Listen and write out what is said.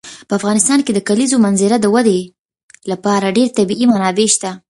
په افغانستان کې د کلیزو منظره د ودې لپاره ډېرې طبیعي منابع شته دي.